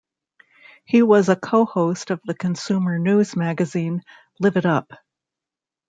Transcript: He was a cohost of the consumer news magazine Live It Up!